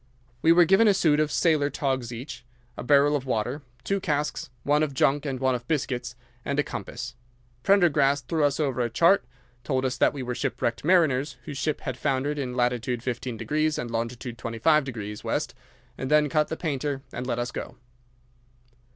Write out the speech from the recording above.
We were given a suit of sailors' togs each, a barrel of water, two casks, one of junk and one of biscuits, and a compass. Prendergast threw us over a chart, told us that we were shipwrecked mariners whose ship had foundered in lat. 15º N. and long 25º W., and then cut the painter and let us go.